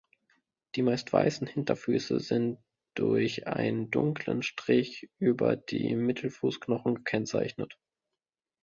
Die meist weißen Hinterfüße sind durch einen dunklen Strich über die Mittelfußknochen gekennzeichnet.